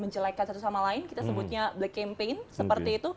menjelekan satu sama lain kita sebutnya black campaign seperti itu